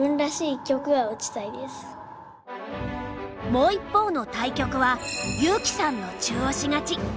もう一方の対局は悠生さんの中押し勝ち。